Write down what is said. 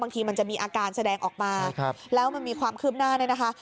มันจะมีอาการแสดงออกมาแล้วมันมีความคืบหน้าเนี่ยนะคะ